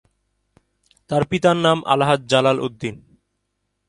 তাঁর পিতার নাম আলহাজ্ব জালাল উদ্দিন।